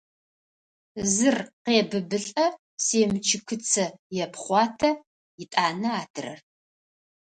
Зыр къебыбылӏэ, семчыкыцэ епхъуатэ, етӏанэ – адрэр…